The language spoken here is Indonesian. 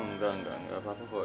enggak enggak enggak apa apa kok